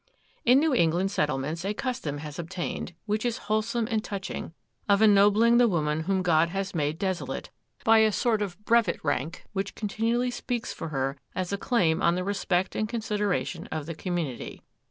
In New England settlements a custom has obtained, which is wholesome and touching, of ennobling the woman whom God has made desolate, by a sort of brevet rank which continually speaks for her as a claim on the respect and consideration of the community.